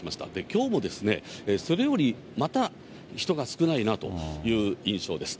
きょうもですね、それよりまた人が少ないなという印象です。